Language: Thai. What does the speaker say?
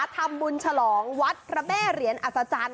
ฉลองวัดพระแม่เหรียญอัศจรรย์